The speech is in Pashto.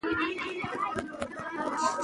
د هغې کردار لکه لمر څرګندېده.